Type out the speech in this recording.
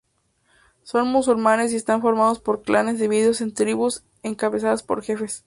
Son musulmanes y están formados por clanes divididos en tribus encabezadas por jefes.